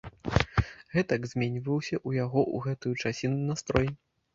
Гэтак зменьваўся ў яго ў гэтую часіну настрой.